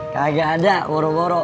kagak ada boro boro